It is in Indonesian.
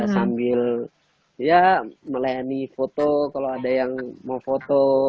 sambil ya melayani foto kalau ada yang mau foto